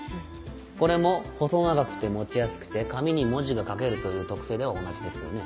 これも細長くて持ちやすくて紙に文字が書けるという特性では同じですよね。